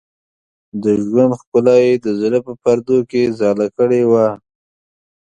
د ژوند ښکلا یې د زړه په پردو کې ځاله کړې وه.